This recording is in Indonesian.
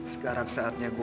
jadi itu emang gila